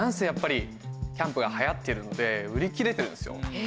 やっぱりキャンプが流行っているので売り切れてるんですよ。